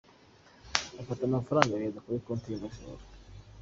Afata amafaraga ayohereza kuri konti y’umujura.